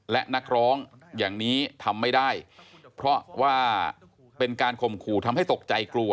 และนักร้องอย่างนี้ทำไม่ได้เพราะว่าเป็นการข่มขู่ทำให้ตกใจกลัว